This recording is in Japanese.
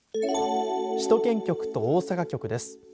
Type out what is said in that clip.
首都圏局と大阪局です。